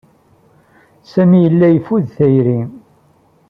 Sami yella yeffud tayri.